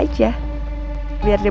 adalah kita untuk